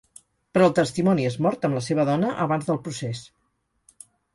Però el testimoni és mort amb la seva dona abans del procés.